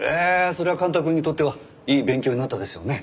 それは幹太くんにとってはいい勉強になったでしょうね。